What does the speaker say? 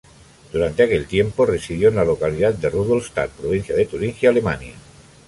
Durante aquel tiempo, residió en la localidad de Rudolstadt, provincia de Turingia, Alemania.